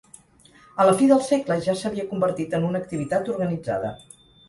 A la fi del segle ja s'havia convertit en una activitat organitzada.